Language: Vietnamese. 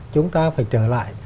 chúng ta phải trở lại